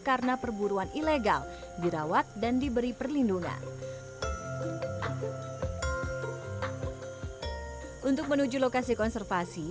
karena perburuan ilegal dirawat dan diberi perlindungan untuk menuju lokasi konservasi